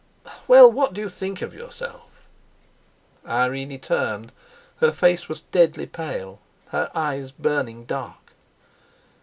Well, what do you think of yourself?" Irene turned, her face was deadly pale, her eyes burning dark.